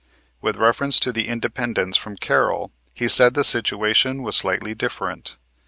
With reference to the Independents from Carroll, he said the situation was slightly different.